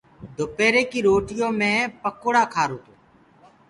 دُپيري ڪي روٽيو مي مينٚ پِڪوڙآ کآرو تو۔